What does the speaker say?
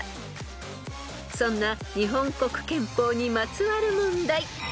［そんな日本国憲法にまつわる問題］